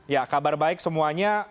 ya kabar baik semuanya